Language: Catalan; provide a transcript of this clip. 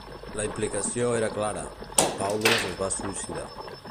La implicació era clara: Paulus es va suïcidar.